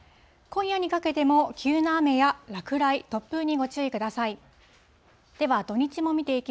今夜にかけても急な雨や落雷、突風にご注意ください。